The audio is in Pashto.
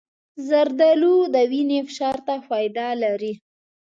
زردالو د وینې فشار ته فایده لري.